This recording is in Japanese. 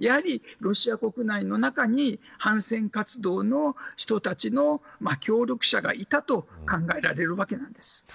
やはり、ロシア国内の中に反戦活動の人たちの協力者がいたと考えられます。